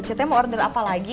ct mau order apa lagi